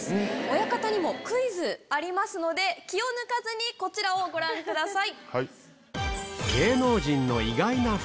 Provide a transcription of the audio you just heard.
親方にもクイズありますので気を抜かずにご覧ください。